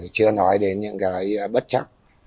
chưa nói đến những bất chắc